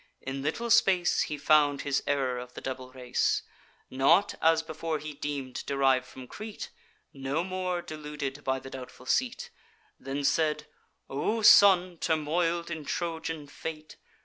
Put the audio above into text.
In little space He found his error of the double race; Not, as before he deem'd, deriv'd from Crete; No more deluded by the doubtful seat: Then said: 'O son, turmoil'd in Trojan fate!